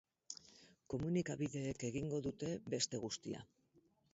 Komunikabideek egingo dute beste guztia.